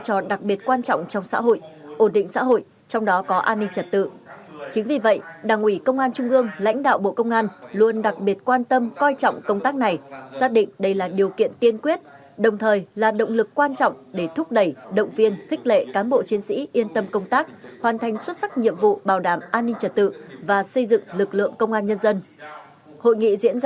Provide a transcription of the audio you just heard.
chủ tịch quốc hội đề nghị ban lãnh đạo các chuyên gia huấn luyện viên cán bộ chuyên môn của trung tâm pvf luôn đặc biệt quan tâm coi trọng công tác này xác định đây là điều kiện tiên quyết đồng thời là động lực quan trọng để thúc đẩy động viên khích lệ cán bộ chiến sĩ yên tâm hoàn thành xuất sắc nhiệm vụ bảo đảm an ninh trật tự và xây dựng lực công an nhân dân